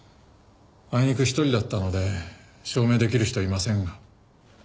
あいにく１人だったので証明出来る人はいませんが。